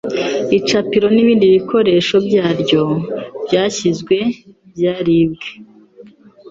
Icapiro n'ibindi bikoresho byaryo byashyizwe byaribwe